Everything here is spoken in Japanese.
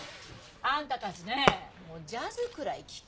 あんたたちねもうジャズくらい聴きなさいよ。